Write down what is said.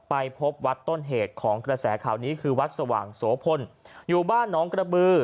ไปพบวัดต้นเหตุของกระแสข่าวนี้คือวัดสว่างโสพลอยู่บ้านน้องกระบือ